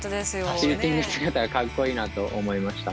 ティルティング姿がかっこいいなと思いました。